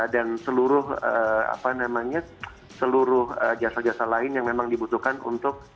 dan seluruh jasa jasa lain yang memang dibutuhkan untuk